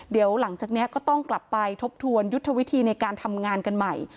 เดี๋ยวหลังจากนี้ก็ต้องกลับไปทบทวนยุทธวิธีในการทำงานกันใหม่